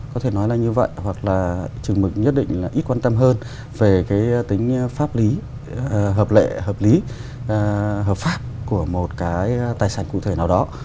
có thể nói là như vậy hoặc là chừng mực nhất định là ít quan tâm hơn về cái tính pháp lý hợp lệ hợp lý hợp pháp của một cái tài sản cụ thể nào đó